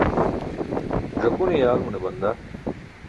Ẓakune yaalmune banda.